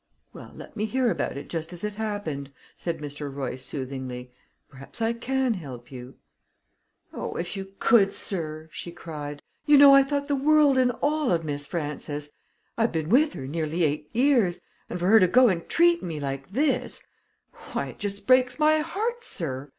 "Well, let me hear about it just as it happened," said Mr. Royce soothingly. "Perhaps I can help you." "Oh, if you could, sir!" she cried. "You know, I thought the world and all of Miss Frances. I've been with her nearly eight years, and for her to go and treat me like this why, it just breaks my heart, sir!